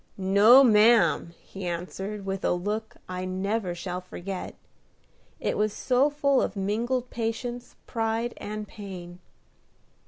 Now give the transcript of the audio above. "No, ma'am!" he answered, with a look I never shall forget, it was so full of mingled patience, pride, and pain.